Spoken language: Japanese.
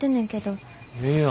ええやん。